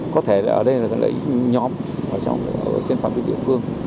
có thể ở đây là cái nhóm ở trên phạm vi địa phương